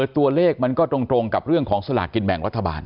ตัวเลขมันก็ตรงกับเรื่องของสลากกินแบ่งรัฐบาล